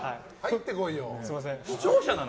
視聴者なの？